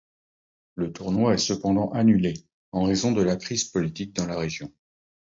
Le tournoi est cependant annulé en raison de la crise politique dans la région.